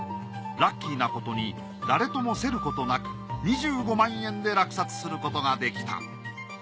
ラッキーなことに誰とも競ることなく２５万円で落札することができた。